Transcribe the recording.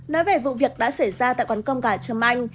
nói về vụ việc đã xảy ra tại quán cơm gà trâm anh